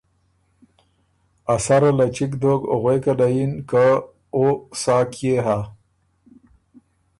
ا سره له چِګ دوک غوېکه له یِن که ”او سا کيې هۀ؟“